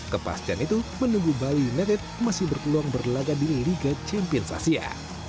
kepastian itu menunggu bali united masih berpeluang berlagak di liga champions asia